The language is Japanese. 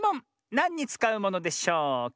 なんにつかうものでしょうか？